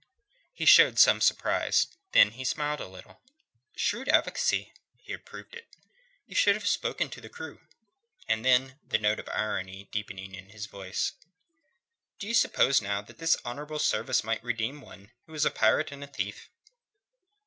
He showed some surprise. Then he smiled a little. "Shrewd advocacy," he approved it. "You should have spoken to the crew." And then, the note of irony deepening in his voice: "Do you suppose now that this honourable service might redeem one who was a pirate and a thief?"